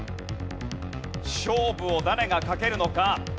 勝負を誰がかけるのか？